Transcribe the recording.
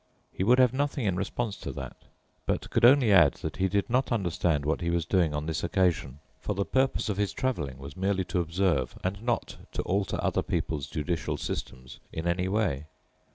He would have nothing in response to that, but could only add that he did not understand what he was doing on this occasion, for the purpose of his traveling was merely to observe and not to alter other people's judicial systems in any way.